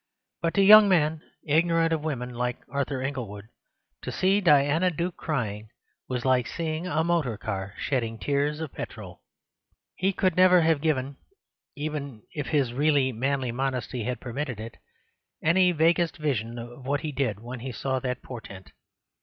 But to young men ignorant of women, like Arthur Inglewood, to see Diana Duke crying was like seeing a motor car shedding tears of petrol. He could never have given (even if his really manly modesty had permitted it) any vaguest vision of what he did when he saw that portent.